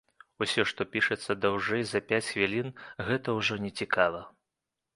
Усё, што пішацца даўжэй за пяць хвілін, гэта ўжо не цікава.